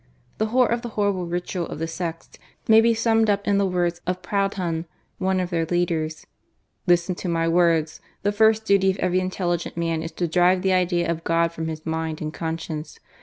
The whole of the horrible ritual of the sects may be summed up in the words of Proudhon, one of their leaders :" Listen to my words. The first duty of every intelligent man is to drive the idea of God from his mind and conscience.